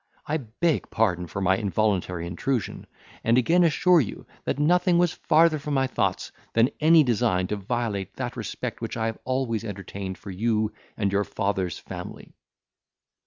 I beg pardon for my involuntary intrusion, and again assure you, that nothing was farther from my thoughts than any design to violate that respect which I have always entertained for you and your father's family."